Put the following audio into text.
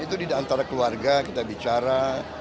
itu di antara keluarga kita bicara